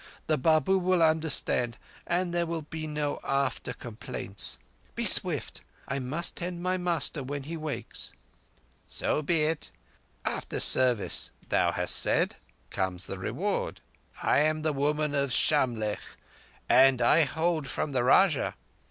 The Babu will understand, and there will be no after complaints. Be swift. I must tend my master when he wakes." "So be it. After service—thou hast said?—comes the reward. I am the Woman of Shamlegh, and I hold from the Rajah.